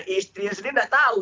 istri sendiri nggak tahu